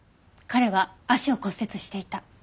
彼は足を骨折していた。